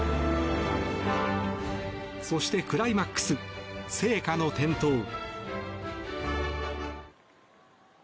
そしてクライマックス聖火の点灯。